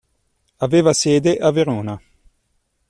Aveva sede a Verona.